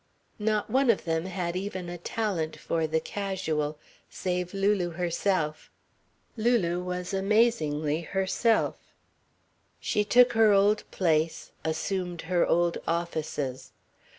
Not one of them had even a talent for the casual, save Lulu herself. Lulu was amazingly herself. She took her old place, assumed her old offices.